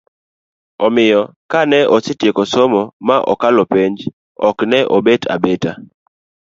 omiyo kane osetieko somo ma okalo penj, ok ne obet abeta